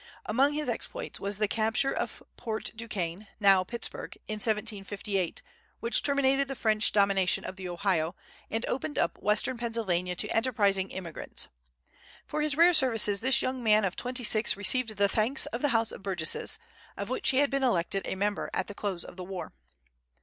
Among his exploits was the capture of Port Duquesne, now Pittsburgh, in 1758, which terminated the French domination of the Ohio, and opened up Western Pennsylvania to enterprising immigrants. For his rare services this young man of twenty six received the thanks of the House of Burgesses, of which he had been elected a member at the close of the war.